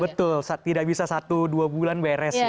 betul tidak bisa satu dua bulan beres